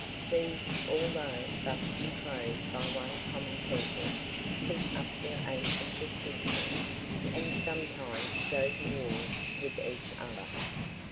These, although thus enclosed by one common people, keep up their ancient distinctions, and sometimes go to war with each other.